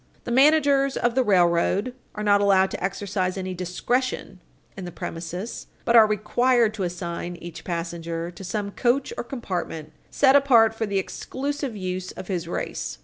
The managers of the railroad are not allowed to exercise any discretion in the premises, but are required to assign each passenger to some coach or compartment set apart for the exclusive use of his race.